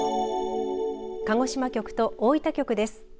鹿児島局と大分局です。